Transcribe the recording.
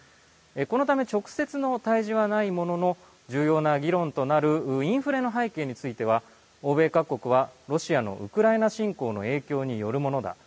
このため直接の対じはないものの重要な議論となるインフレの背景については欧米各国はロシアのウクライナ侵攻の影響によるものだ。